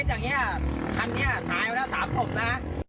โทษนะพี่เคสอย่างเนี่ยคันนี้ตายมาแล้ว๓ศพนะ